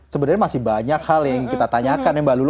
sebenarnya masih banyak hal yang kita tanyakan ya mbak lulu